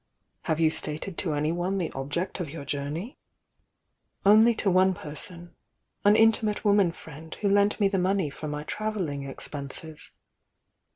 "Have you stated to anyone the object of your journey?" "Only to one person — an intimate woman friend who lent me the money for my travelling expenses."